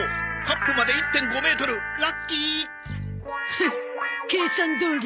フッ計算どおり。